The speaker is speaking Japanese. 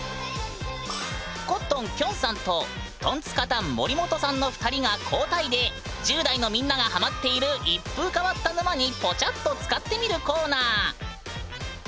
コットンきょんさんとトンツカタン森本さんの２人が交代で１０代のみんながハマっている一風変わった沼にポチャッとつかってみるコーナー！